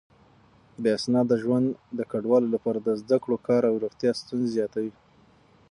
بې اسناده ژوند د کډوالو لپاره د زده کړو، کار او روغتيا ستونزې زياتوي.